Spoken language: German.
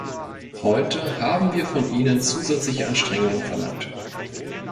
Heute haben wir von ihnen zusätzliche Anstrengungen verlangt.